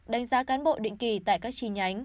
đánh giá cán bộ định kỳ tại các chi nhánh